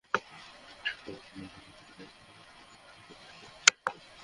তারপর পূর্ণদৈর্ঘ্য প্রেম কাহিনি, জাগো, কিস্তিমাতসহ বেশ কয়েকটি ছবিতে অভিনয় করেছি।